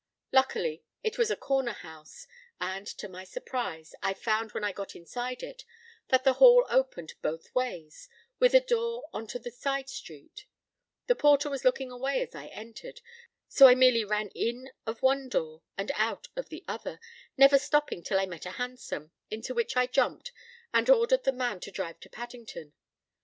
Luckily, it was a corner house, and, to my surprise, I found when I got inside it, that the hall opened both ways, with a door on to the side street. The porter was looking away as I entered; so I merely ran in of one door and out of the other, never stopping till I met a hansom, intowhich I jumped and ordered the man to drive to Paddington.